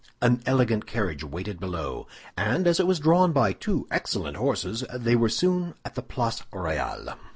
An elegant carriage waited below, and as it was drawn by two excellent horses, they were soon at the Place Royale.